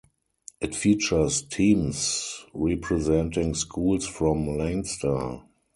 It features teams representing schools from Leinster.